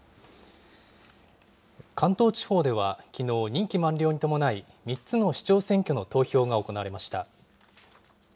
関東地方ではきのう、任期満了に伴い、３つの市長選挙の投票が行われました。